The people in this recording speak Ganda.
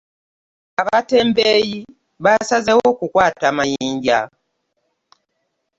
Abatembeeyi basazeewo kukwata mayinja.